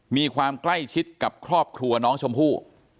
มีความใกล้ชิดกับครอบครัวน้องชมพู่